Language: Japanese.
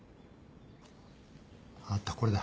あったこれだ。